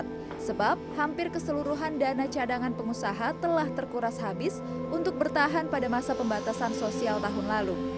karena hampir keseluruhan dana cadangan pengusaha telah terkuras habis untuk bertahan pada masa pembatasan sosial tahun lalu